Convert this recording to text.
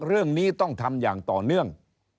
เรื่องนี้ต้องทำอย่างต่อเนื่อง